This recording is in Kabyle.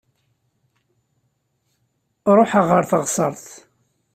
Ruḥaɣ ɣer teɣsert.